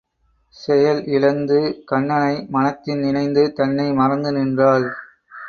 செயல் இழந்து கண்ணனை மனத்தில் நினைந்து தன்னை மறந்து நின்றாள்.